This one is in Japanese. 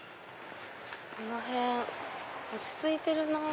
この辺落ち着いてるなぁ。